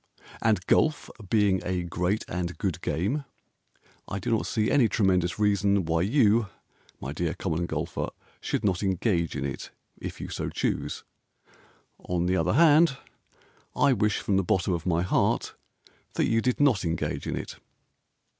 And golf being a great and good game I do not see any tremendous reason Why you, my dear Common Golfer, Should not engage in it if you so choose. On the other hand, I wish from the bottom of my heart That you did not engage in it.